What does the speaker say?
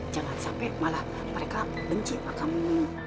jangan sampai malah mereka benci makamu